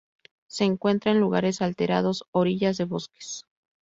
Se encuentra en lugares alterados, orillas de bosques.